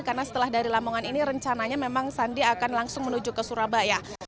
karena setelah dari lamongan ini rencananya memang sandi akan langsung menuju ke surabaya